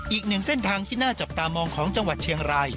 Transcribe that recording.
อีกหนึ่งเส้นทางที่น่าจับตามองของจังหวัดเชียงราย